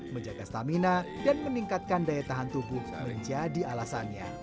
menjaga stamina dan meningkatkan daya tahan tubuh menjadi alasannya